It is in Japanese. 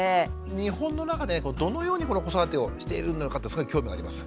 日本の中でどのようにこの子育てをしているのかってすごい興味があります。